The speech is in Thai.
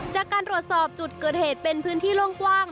จากการตรวจสอบจุดเกิดเหตุเป็นพื้นที่โล่งกว้าง